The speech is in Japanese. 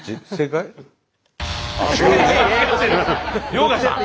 遼河さん。